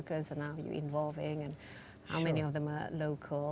berapa banyak orang yang berada di tempat lokal